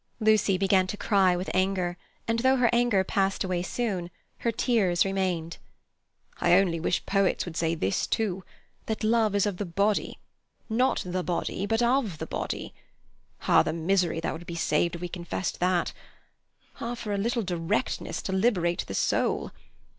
Lucy began to cry with anger, and though her anger passed away soon, her tears remained. "I only wish poets would say this, too: love is of the body; not the body, but of the body. Ah! the misery that would be saved if we confessed that! Ah! for a little directness to liberate the soul!